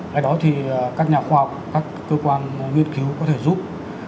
cái đó thì các nhà khoa học các cơ quan nghiên cứu có thể giúp